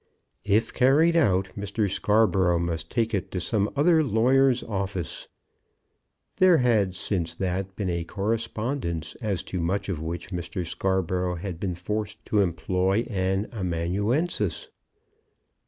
If carried out Mr. Scarborough must take it to some other lawyer's office. There had, since that, been a correspondence as to much of which Mr. Scarborough had been forced to employ an amanuensis.